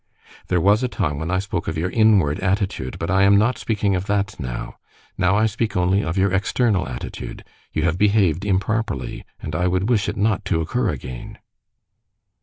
There was a time when I spoke of your inward attitude, but I am not speaking of that now. Now I speak only of your external attitude. You have behaved improperly, and I would wish it not to occur again."